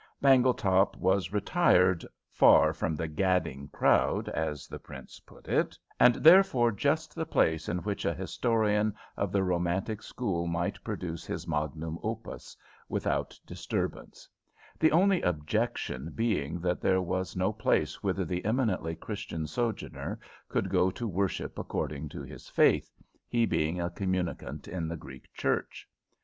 Bangletop was retired, "far from the gadding crowd," as the prince put it, and therefore just the place in which a historian of the romantic school might produce his magnum opus without disturbance; the only objection being that there was no place whither the eminently Christian sojourner could go to worship according to his faith, he being a communicant in the Greek Church.